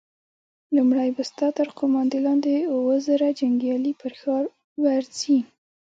لومړی به ستا تر قوماندې لاندې اووه زره جنيګالي پر ښار ورځي!